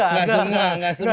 nggak semua yang private jet